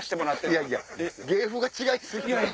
いやいや芸風が違い過ぎるやん！